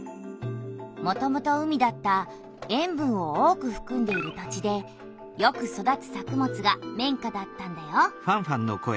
もともと海だった塩分を多くふくんでいる土地でよく育つ作物が綿花だったんだよ。